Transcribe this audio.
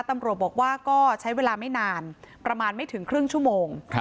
ตำรวจบอกว่าก็ใช้เวลาไม่นานประมาณไม่ถึงครึ่งชั่วโมง